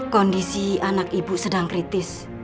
kondisi anak ibu sedang kritis